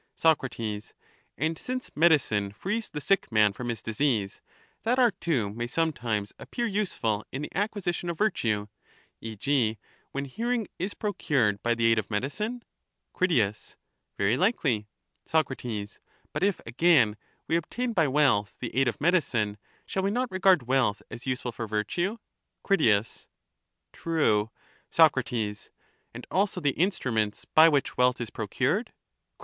Soc. And since medicine frees the sick man from his disease, that art too may sometimes appear useful in the acquisition of virtue, e. g. when hearing is procured by the aid of medicine. Crit. Very likely. Soc. But if, again, we obtain by wealth the aid of medicine, shall we not regard wealth as useful for virtue? Crit. True. Soc. And also the instruments by which wealth is pro cured? Crit.